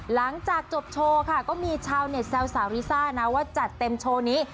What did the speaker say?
หลังจากจบโชว์ค่ะก็มีชาวเน็ตแซวสาวลิซ่านะว่าจัดเต็มโชว์นี้